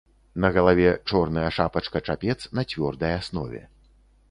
На галаве чорная шапачка-чапец на цвёрдай аснове.